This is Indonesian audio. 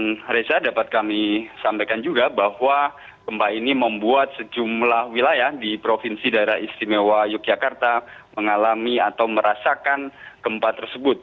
dan reza dapat kami sampaikan juga bahwa gempa ini membuat sejumlah wilayah di provinsi daerah istimewa yogyakarta mengalami atau merasakan gempa tersebut